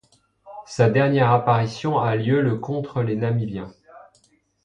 Sa dernière apparition a lieu le contre les Namibiens.